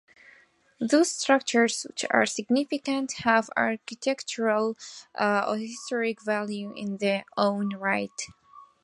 Those structures which are significant have architectural or historic value in their own right.